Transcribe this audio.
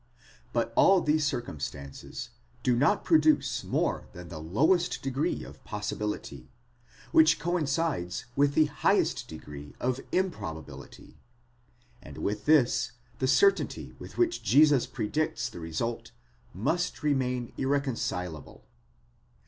But all these circumstances do not produce more than the lowest degree of possibility, which coincides with the highest degree of improbability: and with this the certainty with which Jesus predicts the result must remain irreconcilable.?